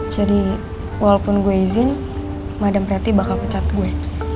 jadi walaupun gue izin madam prati bakal pecat gue